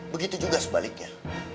begitu juga sebaliknya